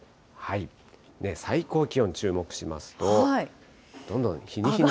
最高気温、注目しますと、どんどん、日に日に。